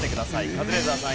カズレーザーさん